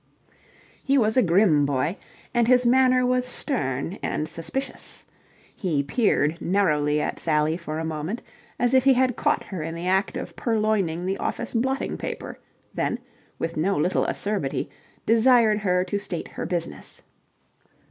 He was a grim boy, and his manner was stern and suspicious. He peered narrowly at Sally for a moment as if he had caught her in the act of purloining the office blotting paper, then, with no little acerbity, desired her to state her business.